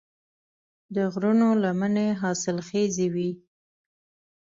د غرونو لمنې حاصلخیزې وي.